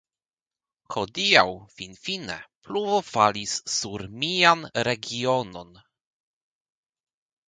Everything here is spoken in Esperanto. Hodiaŭ, finfine, pluvo falis sur mian regionon.